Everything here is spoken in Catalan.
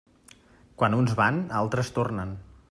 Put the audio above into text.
Quan uns van, altres tornen.